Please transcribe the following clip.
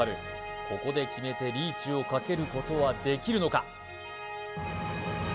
ここで決めてリーチをかけることはできるのか？